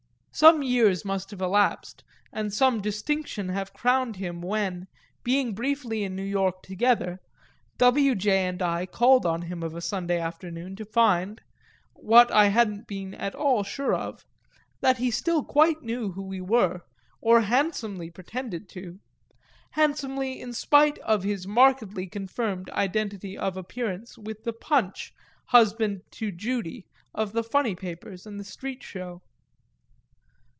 Some years must have elapsed and some distinction have crowned him when, being briefly in New York together, W. J. and I called on him of a Sunday afternoon, to find what I hadn't been at all sure of that he still quite knew who we were, or handsomely pretended to; handsomely in spite of his markedly confirmed identity of appearance with the Punch, husband to Judy, of the funny papers and the street show.